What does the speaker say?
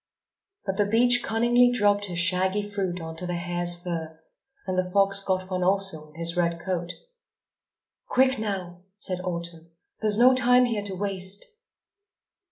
But the beech cunningly dropped his shaggy fruit on to the hare's fur; and the fox got one also on his red coat. "Quick, now," said Autumn. "There's no time here to waste."